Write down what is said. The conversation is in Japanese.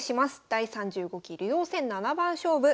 第３５期竜王戦七番勝負。